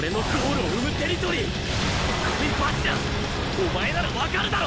お前ならわかるだろ！？